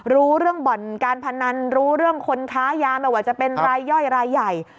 รู้เรื่องบ่อนการพนันรู้เรื่องคนค้ายาไม่ว่าจะเป็นรายย่อยรายใหญ่